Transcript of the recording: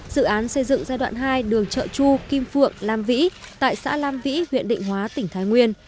dự án xây dựng giai đoạn hai đường chợ chu kim phượng lam vĩ tại xã lam vĩ huyện định hóa tỉnh thái nguyên